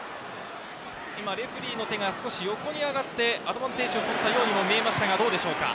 今、レフェリーの手が少し横に上がってアドバンテージを取ったようにも見えましたがどうでしょうか。